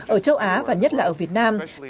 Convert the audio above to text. ở châu á và nhất là ở việt nam